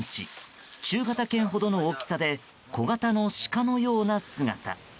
中型犬ほどの大きさで小型のシカのような姿。